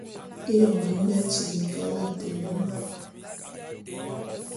Éyoñ bi nga tili kalate nyô.